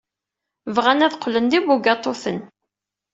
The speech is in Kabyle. Bɣan ad qqlen d ibugaṭuten.